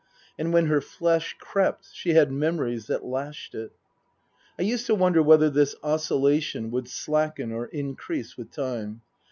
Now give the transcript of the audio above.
And when her flesh crept she had memories that lashed it. I used to wonder whether this oscillation would slacken or increase with time.